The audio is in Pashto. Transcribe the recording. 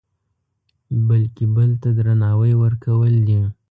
بلکې بل ته درناوی ورکول دي.